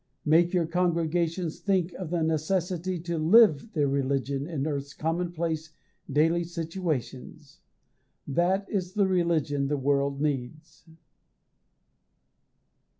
Make your congregations think of the necessity to live their religion in earth's commonplace daily situations. That is the religion the world needs.